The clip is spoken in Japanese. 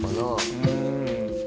うん。